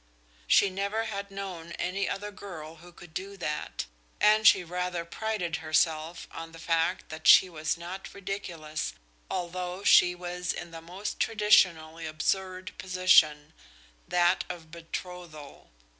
She never had known any other girl who could do that, and she rather prided herself on the fact that she was not ridiculous, although she was in the most traditionally absurd position, that of betrothal.